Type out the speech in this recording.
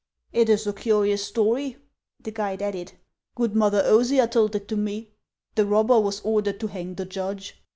" It is a curious story," the guide added ;" good Mother Osia told it to me. The robber was ordered to hang the judge."